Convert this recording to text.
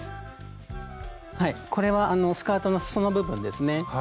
これはスカートのすその部分ですね。